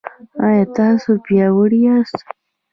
ایا تاسو پیاوړي یاست؟